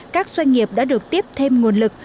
các doanh nghiệp đã được tiếp thêm nguồn lực